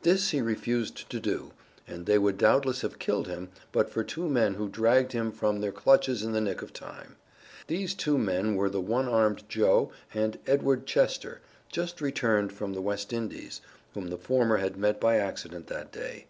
This he refused to do, and they would doubtless have killed him, but for two men who dragged him from their clutches in the nick of time. These two men were the one armed Joe and Edward Chester, just returned from the West Indies, whom the former had met by accident that day.